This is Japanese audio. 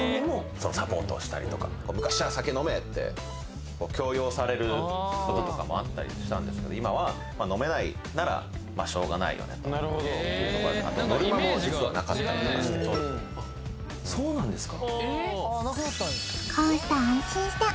そうサポートをしたりとか昔は酒飲めって強要されることとかもあったりしたんですけど今はまあ飲めないならしょうがないよねというところであとノルマも実はなかったりとかしてあっそうなんですか？